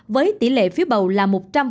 với tỷ lệ phiếu bầu là một trăm linh